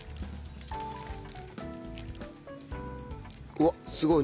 うわっすごい。